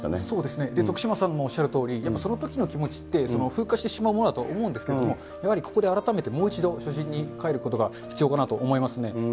そうですね、徳島さんもおっしゃるように、やっぱそのときの気持ちって風化してしまうものだと思うんですけれども、やはりここで改めてもう一度、初心にかえることが必要かなと思いますね。